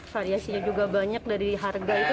variasinya juga banyak dari harga itu